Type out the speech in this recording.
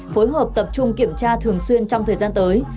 phối hợp tập trung kiểm tra thường xuyên trong thời gian tới